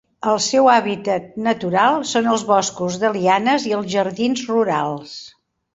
El seu hàbitat natural són els boscos de lianes i els jardins rurals.